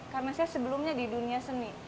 karena saya sebelumnya di dunia seni